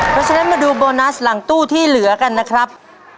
เพราะฉะนั้นมาดูโบนัสหลังตู้ที่เหลือกันนะครับ